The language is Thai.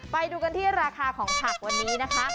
ไปดูกันที่ราคาของผักวันนี้นะคะ